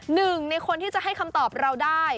หนึ่งในคนที่จะให้คำตอบเราได้